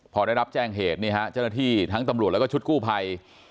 พอได้รับแจ้งเหตุจักรทั้งตำรวจและชุดกู้ภัย